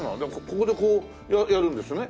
ここでこうやるんですよね？